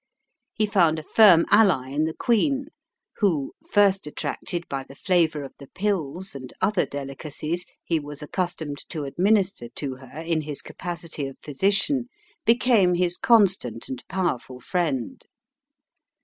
He found a firm ally in the Queen, who, first attracted by the flavour of the pills and other delicacies he was accustomed to administer to her in his capacity of physician, became his constant and powerful friend.